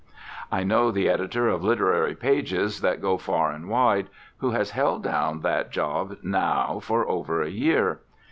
I know the editor of literary pages that go far and wide, who has held down that job now for over a year.